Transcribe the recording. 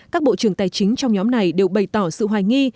các bộ trưởng tài chính trong nhóm này đều bày tỏ sự hoài nghi